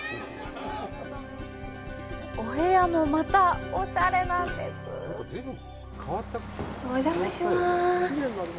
お部屋もまたおしゃれなんですお邪魔します